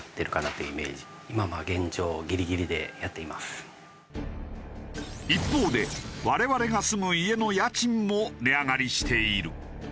そのため一方で我々が住む家の家賃も値上がりしている。